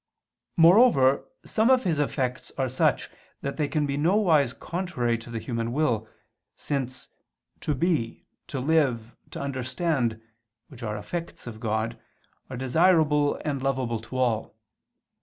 Moreover some of His effects are such that they can nowise be contrary to the human will, since to be, to live, to understand, which are effects of God, are desirable and lovable to all.